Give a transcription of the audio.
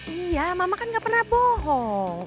iya mama kan gak pernah bohong